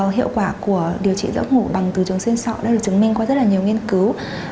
hiệu quả của điều trị giấc ngủ bằng từ trường xuyên sọ đã được chứng minh qua rất là nhiều nghiên cứu